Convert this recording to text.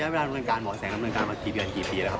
แล้วก็เวลาดังการหมองแสงระวันการเมื่อกี่ปีแล้วครับ